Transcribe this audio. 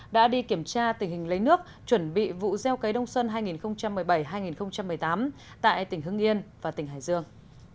đã đi kiểm tra tình hình lấy nước chuẩn bị vụ gieo cấy đông xuân hai nghìn một mươi bảy hai nghìn một mươi tám tại tỉnh hưng yên và tỉnh hải dương